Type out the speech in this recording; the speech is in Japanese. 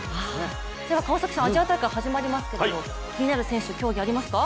川崎さん、アジア大会始まりますけれども気になる選手、競技ありますか？